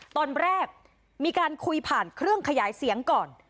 ตอนแรกมีการคุยผ่านเครื่องขยายเสียงก่อน